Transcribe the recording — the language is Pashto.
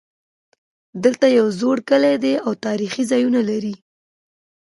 دلته یو زوړ کلی ده او تاریخي ځایونه لري